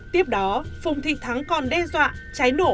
tiếp đó phùng thị thắng còn đe dọa trái nổ lên quầy giao dịch